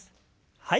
はい。